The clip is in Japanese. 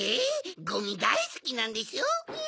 ゴミだいスキなんでしょ？